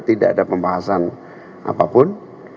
tidak ada pembahasan apapun